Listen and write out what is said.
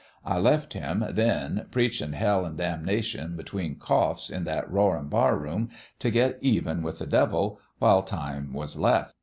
" I left him, then, preachin' hell an' damnation, between coughs, in that roarin' barroom, t' get even with the devil, while time was left.